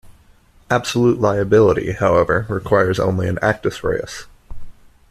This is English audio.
Absolute liability, however, requires only an "actus reus".